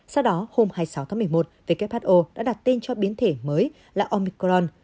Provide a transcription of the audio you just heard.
sau đó hôm hai mươi sáu tháng một mươi một who đã đặt tên cho biến thể mới là omicron